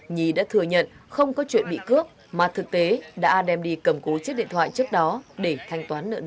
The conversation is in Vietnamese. nhi đã thừa nhận không có chuyện bị cướp mà thực tế đã đem đi cầm cố chiếc điện thoại trước đó để thanh toán nợ nầ